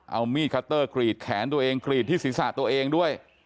เอามีดคัตเตอร์กรีดแขนตัวเองกรีดที่ศีรษะตัวเองด้วย